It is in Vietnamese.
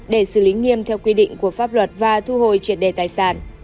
để xử lý nghiêm theo quy định của pháp luật và thu hồi triệt đề tài sản